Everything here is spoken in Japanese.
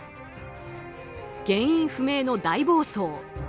原因不明の大暴走。